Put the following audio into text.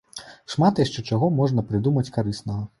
Шмат яшчэ чаго можна прыдумаць карыснага.